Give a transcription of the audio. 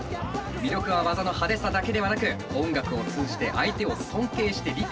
魅力は技の派手さだけではなく音楽を通じて相手を尊敬して理解し合うところにあります。